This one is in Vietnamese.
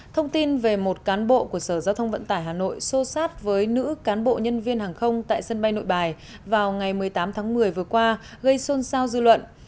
thông tin về một cán bộ của sở giao thông vận tải hà nội xô xát với nữ cán bộ nhân viên hàng không tại sân bay nội bài vào ngày một mươi tám tháng một mươi vừa qua gây xôn xao dư luận